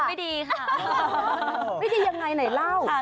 วิธียังไงไหนเล่า